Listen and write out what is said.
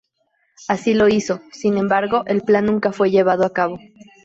Así lo hizo, sin embargo, el plan nunca fue llevado a cabo.